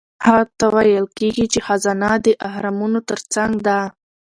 هغه ته ویل کیږي چې خزانه د اهرامونو ترڅنګ ده.